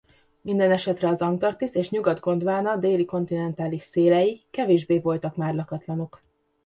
Mindenesetre az Antarktisz és Nyugat-Gondwana déli kontinentális szélei kevésbé voltak már lakatlanok.